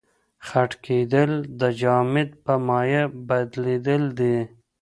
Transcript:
خټکېدل د جامد په مایع بدلیدل دي.